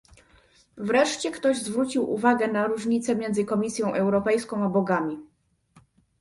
Wreszcie ktoś zwrócił uwagę na różnicę między Komisją Europejską a bogami